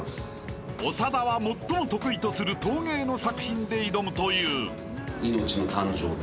［長田はもっとも得意とする陶芸の作品で挑むという］